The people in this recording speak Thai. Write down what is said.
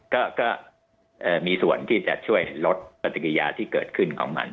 ก็มีส่วนที่จะช่วยลดปฏิกิริยาที่เกิดขึ้นของมัน